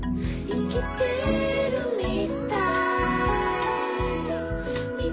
「いきてるみたい」